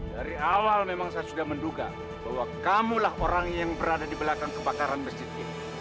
dari awal memang saya sudah menduga bahwa kamulah orang yang berada di belakang kebakaran masjid ini